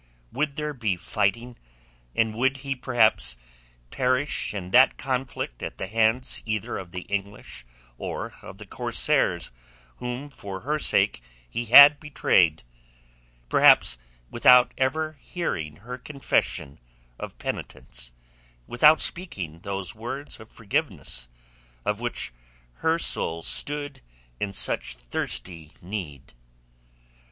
Would there be fighting, and would he perhaps perish in that conflict at the hands either of the English or of the corsairs whom for her sake he had betrayed, perhaps without ever hearing her confession of penitence, without speaking those words of forgiveness of which her soul stood in such thirsty need?